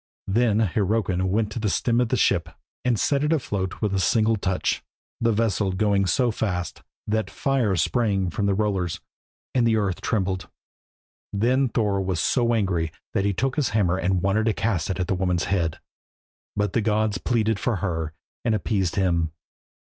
Then Hyrrokin went to the stem of the ship, and set it afloat with a single touch, the vessel going so fast that fire sprang from the rollers, and the earth trembled. Then Thor was so angry that he took his hammer and wanted to cast it at the woman's head, but the gods pleaded for her and appeased him.